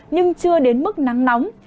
nhưng chưa đến mức nắng nóng